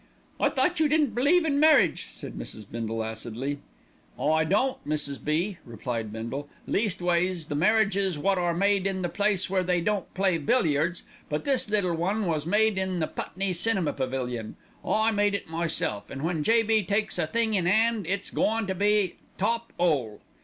"Thought you didn't believe in marriage," said Mrs. Bindle acidly. "I don't, Mrs. B.," replied Bindle. "Leastways the marriages wot are made in the place where they don't play billiards; but this little one was made in the Putney Cinema Pavilion. I made it myself, and when J.B. takes a thing in 'and, it's goin' to be top 'ole.